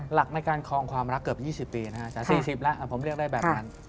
หลักในการคลองความรักเกือบ๒๐ปีนะฮะแต่๔๐แล้วผมเรียกได้แบบนั้น